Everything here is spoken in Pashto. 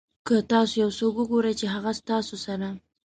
که تاسو یو څوک وګورئ چې هغه ستاسو سره.